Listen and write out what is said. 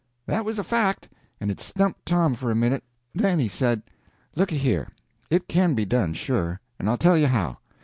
That was a fact, and it stumped Tom for a minute. Then he said: "Looky here, it can be done, sure; and I'll tell you how.